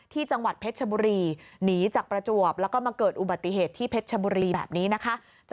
ที่จังหวัดเพชรชบุรีหนีจากประจวบแล้วก็มาเกิดอุบัติเหตุที่เพชรชบุรีแบบนี้นะคะ